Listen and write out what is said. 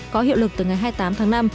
có hiệu lực từ ngày hai mươi tám tháng năm